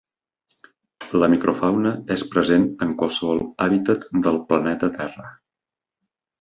La microfauna és present en qualsevol hàbitat del planeta Terra.